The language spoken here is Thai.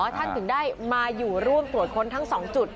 ท่านถึงได้มาอยู่ร่วมตรวจคนทั้ง๒จุดที่เราเห็นเนี่ย